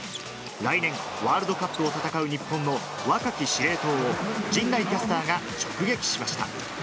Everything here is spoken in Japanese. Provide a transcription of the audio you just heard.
来年、ワールドカップを戦う日本の若き司令塔を陣内キャスターが直撃しました。